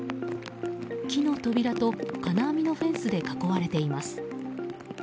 木の扉と金網のフェンスで囲われています。